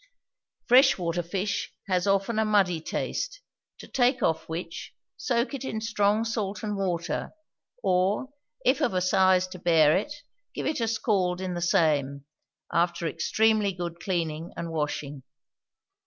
Fresh water fish has often a muddy taste, to take off which, soak it in strong salt and water; or, if of a size to bear it, give it a scald in the same, after extremely good cleaning and washing.